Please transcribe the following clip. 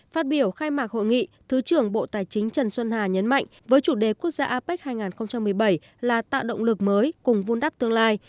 phát biểu khai mạc hội nghị thứ trưởng bộ tài chính trần xuân hà nhấn mạnh với chủ đề quốc gia apec hai nghìn một mươi bảy là tạo động lực mới cùng vun đắp tương lai